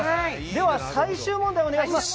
では最終問題お願いします。